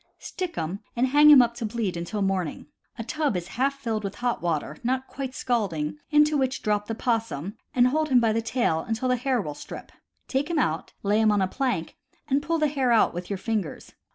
Stick him, and hang him up to bleed until morning. A tub is half filled with hot water (not quite scalding) into which drop the possum and hold him by the tail until the hair will strip. Take him out, lay him on a plank, and pull the hair out with your fingers.